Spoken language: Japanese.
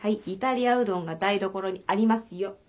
イタリアうどんが台所にありますよ。